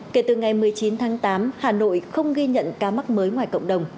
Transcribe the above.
kể từ ngày một mươi chín tháng tám hà nội không ghi nhận ca mắc mới ngoài cộng đồng